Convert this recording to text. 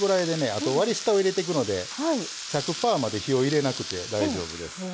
あと割り下を入れてくので１００パーまで火を入れなくて大丈夫です。